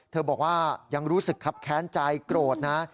บอกว่ายังรู้สึกครับแค้นใจโกรธนะ